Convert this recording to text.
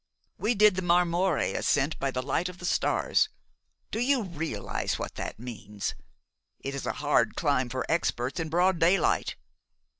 We did the Marmoré ascent by the light of the stars. Do you realize what that means? It is a hard climb for experts in broad daylight.